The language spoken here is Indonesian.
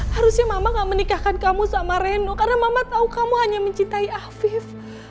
harusnya mama gak menikahkan kamu sama reno karena mama tahu kamu hanya mencintai afif